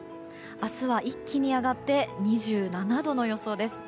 明日は一気に上がって２７度の予想です。